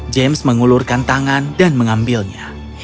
james mengulurkan tangan dan mengambilnya